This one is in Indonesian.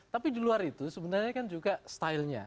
tapi di luar itu sebenarnya kan juga stylenya